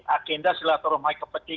agenda silaturahmi ke tiga